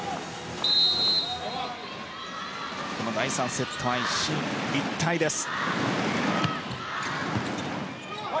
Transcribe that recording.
この第３セットは一進一退です。